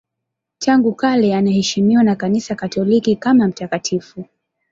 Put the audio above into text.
Tangu kale anaheshimiwa na Kanisa Katoliki kama mtakatifu.